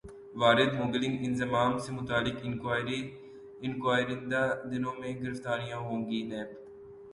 واردموبی link انضمام سے متعلق انکوائری ئندہ دنوں میں گرفتاریاں ہوں گی نیب